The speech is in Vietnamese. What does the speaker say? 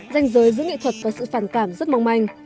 danh giới giữa nghệ thuật và sự phản cảm rất mong manh